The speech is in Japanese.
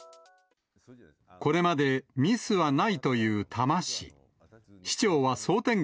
これまでミスはないという多摩市。